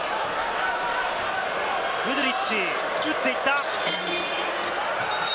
グドゥリッチ、打っていった！